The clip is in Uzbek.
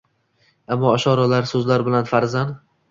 imo-ishoralar, soʻzlar bilan farazan